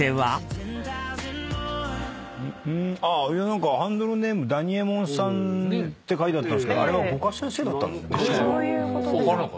何か「ハンドルネームダニエモンさん」って書いてあったんですけどあれは五箇先生だったんでしょうか？